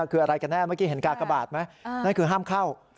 คืออะไรกันแน่เมื่อกี้เห็นกากบาทไหมนั่นคือห้ามเข้า